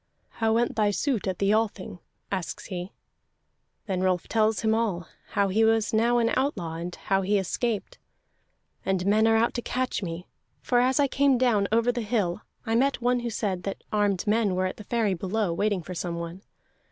"How went thy suit at the Althing?" asks he. Then Rolf tells him all, how he was now an outlaw, and how he escaped. "And men are out to catch me, for as I came down over the hill, I met one who said that armed men were at the ferry below, waiting for someone.